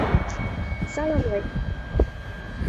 — Саламлем!